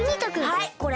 はいこれ。